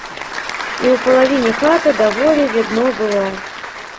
І ў палавіне хаты даволі відно было.